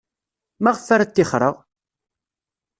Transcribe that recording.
Maɣef ara ttixreɣ?